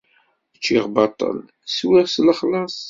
Ččiɣ baṭṭel, swiɣ s lexlas